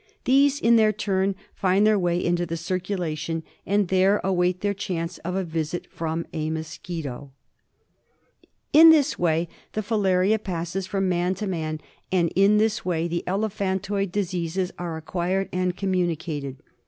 These ' in their turn find their way into the circulation, and there await their chance of a visit from the mosquito. Filajla in proboscis of Mosqul 82 FILAEIASIS. In this way the filarta passes from man to man, and in this way the elephantoid diseases are acquired and communicated.